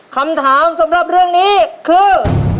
คำถามสำหรับเรื่องนี้คือ